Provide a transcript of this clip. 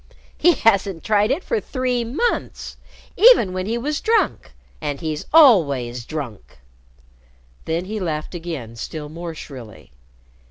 "He hasn't tried it for three months even when he was drunk and he's always drunk." Then he laughed again still more shrilly.